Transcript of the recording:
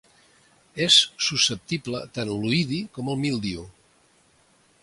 És susceptible tant a l'oïdi com al míldiu.